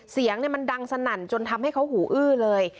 เสียงมันดังสนั่นจนทำให้เขาหูอื้อเลย